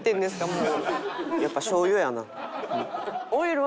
もう。